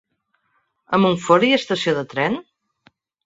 A Montfort hi ha estació de tren?